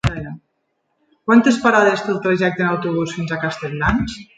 Quantes parades té el trajecte en autobús fins a Castelldans?